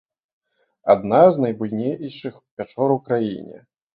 Адна з найбуйнейшых пячор у краіне.